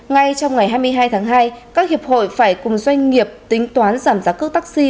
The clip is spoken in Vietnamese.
ngay trong ngày hai mươi hai tháng hai các hiệp hội phải cùng doanh nghiệp tính toán giảm giá cước taxi